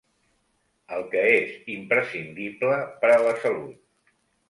El que és imprescindible per a la salut.